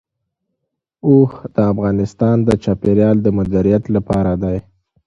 اوښ د افغانستان د چاپیریال د مدیریت لپاره دی.